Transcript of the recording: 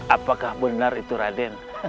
apakah benar itu raden